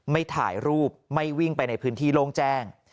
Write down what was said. ไม่ถ่ายรูปไม่วิ่งไปในพื้นที่โล่งแจ้ง